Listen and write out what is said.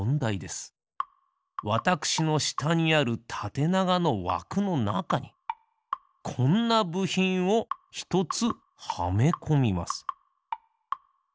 わたくしのしたにあるたてながのわくのなかにこんなぶひんをひとつはめこみます。